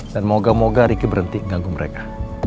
dan moga moga ricky berhenti ganggu mereka